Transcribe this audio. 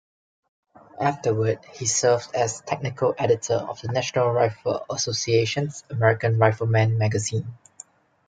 Afterward, he served as Technical Editor of the National Rifle Association's "American Rifleman" magazine.